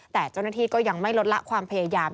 แต่เจ้าหน้าที่ก็ยังไม่ลดละความพยายาม